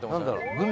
グミ。